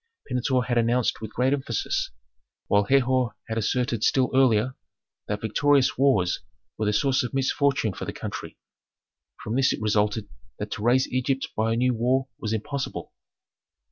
Pentuer had announced with great emphasis, while Herhor had asserted still earlier, that victorious wars were the source of misfortune for the country. From this it resulted that to raise Egypt by a new war was impossible.